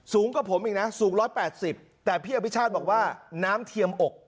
สูงกว่าผมอีกนะสูง๑๘๐แต่พี่อภิชาติบอกว่าน้ำเทียมอก